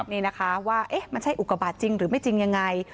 นี่นะคะว่ามันใช่อุกบาทจริงหรือไม่จริงยังไง